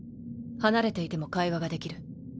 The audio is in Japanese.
離れていても会話ができる。